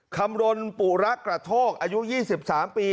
คำรณปุระกระโทกอายุ๒๓ปี